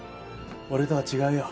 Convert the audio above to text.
俺とは違うよ